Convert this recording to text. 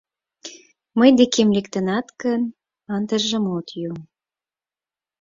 — Мый декем лектынат гын, ындыжым от йом...